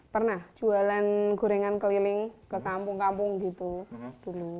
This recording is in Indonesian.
pernah jualan gorengan keliling ke kampung kampung gitu dulu